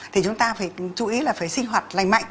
thì chúng ta phải chú ý là phải sinh hoạt lành mạnh